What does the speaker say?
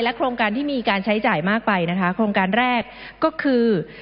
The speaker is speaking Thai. โครงการที่มีการใช้จ่ายมากไปนะคะโครงการแรกก็คือ